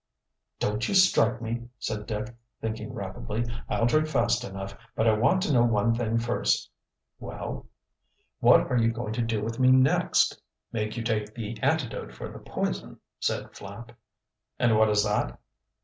"Don't you strike me," said Dick, thinking rapidly. "I'll drink fast enough. But I want to know one thing first." "Well?" "What are you going to do with me next?" "Make you take the antidote for the poison," said Flapp. "And what is that?"